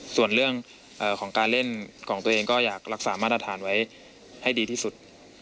ส่วนเรื่องของการเล่นของตัวเองก็อยากรักษามาตรฐานไว้ให้ดีที่สุด